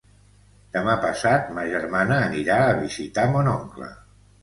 Demà passat ma germana anirà a visitar mon oncle.